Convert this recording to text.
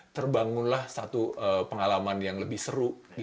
terbangunlah satu pengalaman yang lebih seru